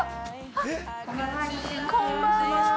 こんばんは。